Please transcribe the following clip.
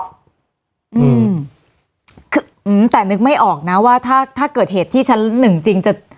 อืมคืออืมแต่นึกไม่ออกนะว่าถ้าถ้าเกิดเหตุที่ชั้นหนึ่งจริงจะ